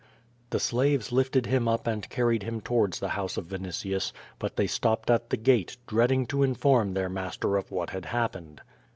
The slaves lifted him up and carried him towards the house of YinitiuB, but they stopped at the gate, dreading to inform their master of what had happened.